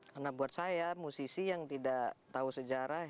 karena buat saya musisi yang tidak tahu sejarah